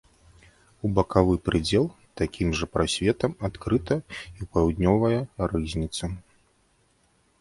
У бакавы прыдзел такім жа прасветам адкрыта і паўднёвая рызніца.